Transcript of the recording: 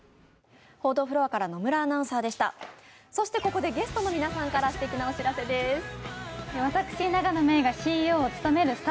ここでゲストの皆さんからすてきなお知らせです。